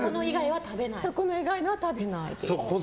そこの以外は食べない？